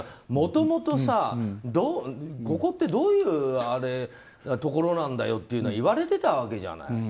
もともと、ここってどういうところなんだよっていうの言われてたわけじゃない。